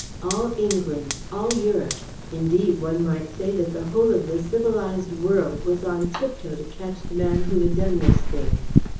All England, all Europe, indeed, one might say that the whole of the civilised world was on tiptoe to catch the man who had done this thing.